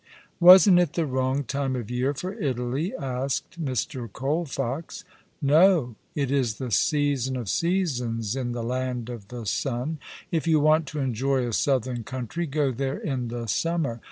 *' Wasn't it the wrong time of year for Italy ?" asked Mr. Colfox. " No, it is the season of seasons in the land of the sun. If you want to enjoy a southern country, go there in the summer.